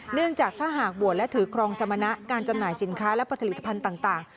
เนื่องจากถ้าหากบวชและถือครองสมณะการจำหน่ายสินค้าและผลิตภัณฑ์ต่าง